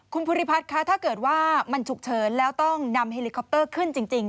คุณภูริพัฒน์คะถ้าเกิดว่ามันฉุกเฉินแล้วต้องนำเฮลิคอปเตอร์ขึ้นจริง